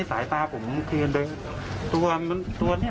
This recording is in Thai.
ตัวแรกจะโอเคแต่แก่งแรง